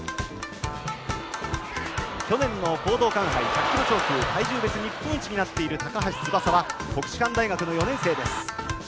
去年の講道館杯１００キロ超級体重別で日本一になっている高橋翼は国士舘大学４年生です。